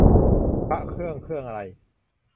พระเครื่อง เครื่องอะไร